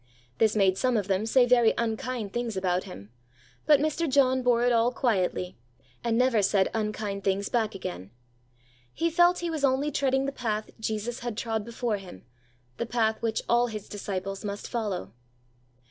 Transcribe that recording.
This made some of them say very unkind things about him; but Mr. John bore it all quietly, and never said unkind things back again. He felt he was only treading the path Jesus had trod before him, the path which all His disciples must follow.